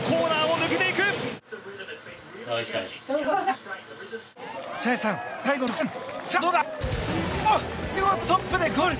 見事、トップでゴール！